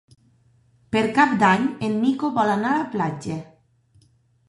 Per Cap d'Any en Nico vol anar a la platja.